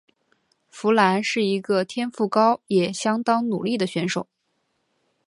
佛兰是一个天赋高也相当努力的选手。